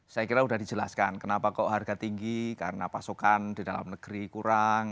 saya kira sudah dijelaskan kenapa kok harga tinggi karena pasokan di dalam negeri kurang